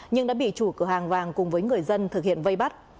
nhưng đã bị chủ cửa hàng vàng cùng với người dân thực hiện vây bắt